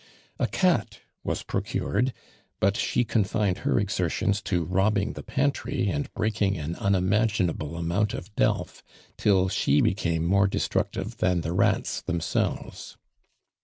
A cat was i)rocured, but sho confined her exertions to robbing the pantry and breaking an. unimaginable amoimt of delf, till she became more destructive than the ruts themselve.s.